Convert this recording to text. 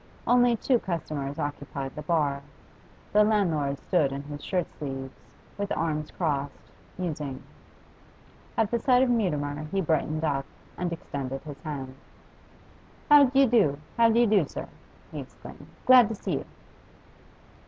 Only two customers occupied the bar; the landlord stood in his shirt sleeves, with arms crossed, musing. At the sight of Mutimer he brightened up, and extended his hand. 'How d'you do; how d'you do, sir?' he exclaimed. 'Glad to see you.